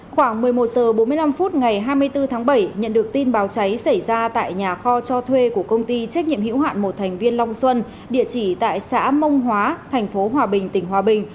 khoảng một mươi một h bốn mươi năm phút ngày hai mươi bốn tháng bảy nhận được tin báo cháy xảy ra tại nhà kho cho thuê của công ty trách nhiệm hữu hạn một thành viên long xuân địa chỉ tại xã mông hóa thành phố hòa bình tỉnh hòa bình